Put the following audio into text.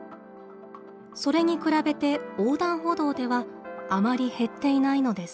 それに比べて横断歩道ではあまり減っていないのです。